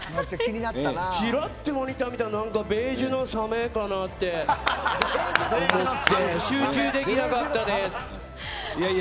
ちらっとモニター見たら何かベージュのサメかなって思って集中できなかったです。